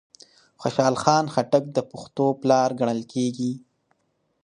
خوشحال خان خټک د پښتو پلار ګڼل کېږي